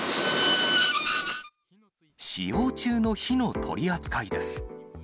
使用中の火の取り扱いです。